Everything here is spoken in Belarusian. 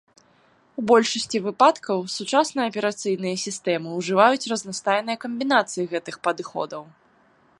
У большасці выпадкаў сучасныя аперацыйныя сістэмы ўжываюць разнастайныя камбінацыі гэтых падыходаў.